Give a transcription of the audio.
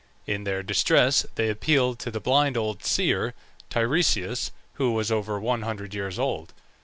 In their distress they appealed to the blind old seer Tiresias, who was over a hundred years old.